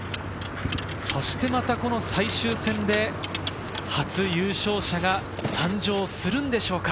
そして、この最終戦で初優勝者が誕生するのでしょうか。